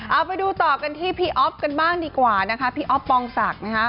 เอาไปดูต่อกันที่พี่อ๊อฟกันบ้างดีกว่านะคะพี่อ๊อปปองศักดิ์นะคะ